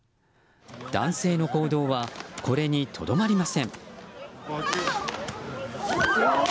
男性の行動はこれにとどまりません。